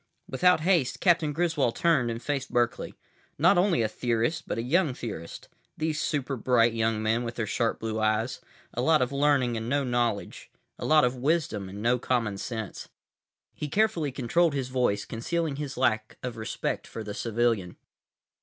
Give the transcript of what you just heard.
———— Without haste, Captain Griswold turned and faced Berkeley. Not only a theorist, but a young theorist. These super bright young men with their sharp blue eyes. A lot of learning and no knowledge. A lot of wisdom and no common sense. He carefully controlled his voice, concealing his lack of respect for the civilian.